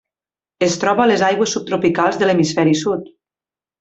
Es troba a les aigües subtropicals de l'hemisferi sud.